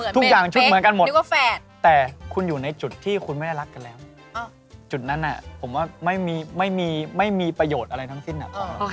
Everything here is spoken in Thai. ทุกอย่างชุดเหมือนกันหมดแต่คุณอยู่ในจุดที่คุณไม่ได้รักกันแล้วจุดนั้นผมว่าไม่มีประโยชน์อะไรทั้งสิ้น